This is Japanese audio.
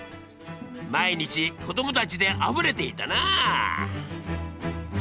毎日子供たちであふれていたな。